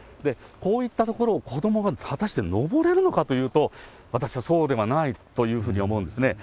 こういった所を、子どもが果たして登れるのかというと、私はそうではないというふうに思うんですね。